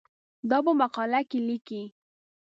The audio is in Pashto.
دا په مقاله کې لیکې.